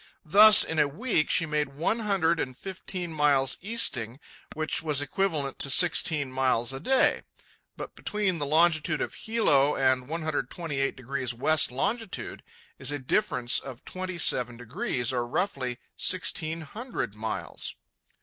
Thus, in a week she made one hundred and fifteen miles easting, which was equivalent to sixteen miles a day. But, between the longitude of Hilo and 128° west longitude is a difference of twenty seven degrees, or, roughly, sixteen hundred miles.